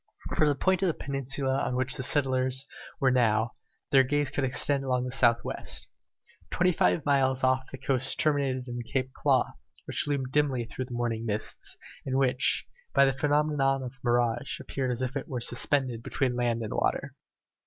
From the point of the peninsula on which the settlers now were their gaze could extend along the south west. Twenty five miles off the coast terminated in the Claw Cape, which loomed dimly through the morning mists, and which, by the phenomenon of the mirage, appeared as if suspended between land and water.